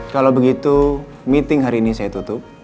kalau begitu meeting hari ini saya tutup